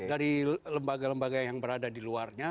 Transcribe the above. dari lembaga lembaga yang berada di luarnya